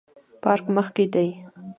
پارک مخ کې دی